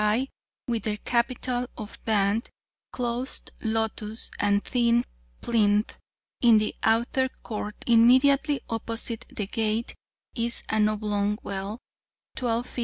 high, with their capital of band, closed lotus, and thin plinth; in the outer court, immediately opposite the gate, is an oblong well, 12 ft.